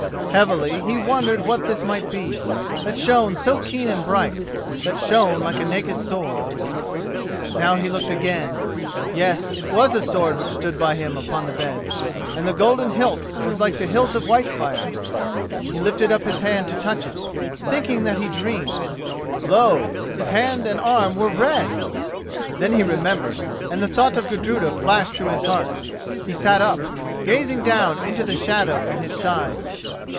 Heavily he wondered what this might be, that shone so keen and bright—that shone like a naked sword. Now he looked again. Yes, it was a sword which stood by him upon the bed, and the golden hilt was like the hilt of Whitefire. He lifted up his hand to touch it, thinking that he dreamed. Lo! his hand and arm were red! Then he remembered, and the thought of Gudruda flashed through his heart. He sat up, gazing down into the shadow at his side.